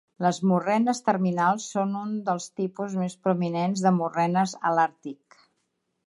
Les morrenes terminals són un dels tipus més prominents de morrenes a l’Àrtic.